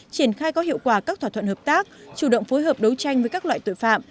triển khai có hiệu quả các thỏa thuận hợp tác chủ động phối hợp đấu tranh với các loại tội phạm